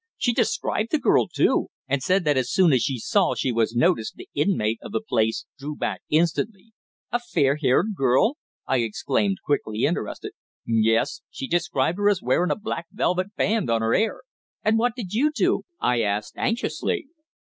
She described the girl, too, and said that as soon as she saw she was noticed the inmate of the place drew back instantly." "A fair haired girl!" I exclaimed, quickly interested. "Yes; she described her as wearin' a black velvet band on her hair." "And what did you do?" I asked anxiously.